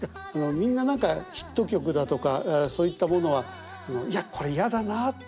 みんな何かヒット曲だとかそういったものはいやこれやだなって。